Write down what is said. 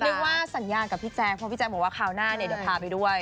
นึกว่าสัญญากับพี่แจ๊คเพราะพี่แจ๊คบอกว่าคราวหน้าเนี่ยเดี๋ยวพาไปด้วย